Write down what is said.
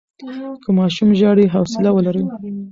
که ماشوم ژاړي، حوصله ولرئ.